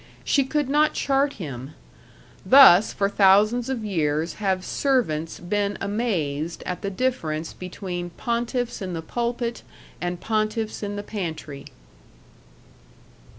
She could not chart him.... Thus for thousands of years have servants been amazed at the difference between pontiffs in the pulpit and pontiffs in the pantry.